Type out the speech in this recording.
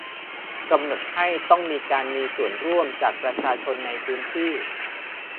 กำหนดให้ต้องมีการมีส่วนร่วมจากประชาชนในพื้นที่